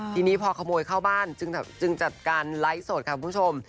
ทีนี้พอขโมยเข้าบ้านจึงจัดการไลฟ์สดค่ะคุณผู้ชม